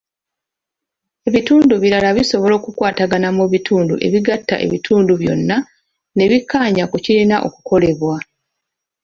Ebitundu birala bisobola okukwatagana mu bintu ebigatta ebitundu byonna ne bikkaanya ku kirina okukolebwa.